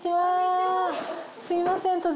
すいません。